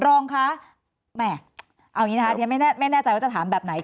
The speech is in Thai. รองคะแหม่เอาอย่างนี้นะคะเดี๋ยวไม่แน่ใจว่าจะถามแบบไหน